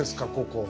ここ。